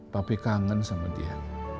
papi kangen sama dia